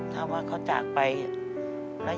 แต่ที่แม่ก็รักลูกมากทั้งสองคน